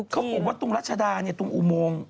เขาบอกว่าตรงรัชดาตรงอุโมง